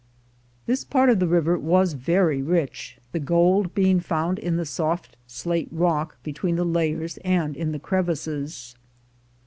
This part of the river was very rich, the gold being found in the soft slate rock between the layers and in the crevices.